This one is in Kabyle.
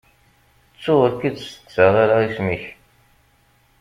Ttuɣ ur k-id-steqsaɣ ara isem-ik.